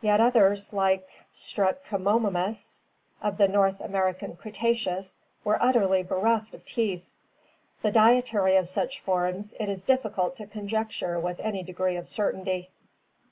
Yet others like Strutki omimus of the North American Cretaceous were utterly bereft of teeth. The dietary of such forms it is difficult to conjecture with any degree of certainty.